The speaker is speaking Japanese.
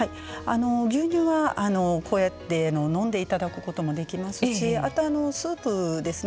牛乳はこうやって飲んでいただくこともできますしあと、スープですね